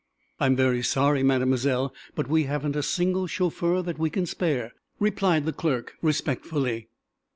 "I am very sorry, Mademoiselle, but we haven't a single chauffeur that we can spare," replied the clerk, respectfully.